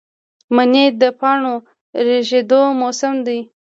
منی د پاڼو ریژیدو موسم دی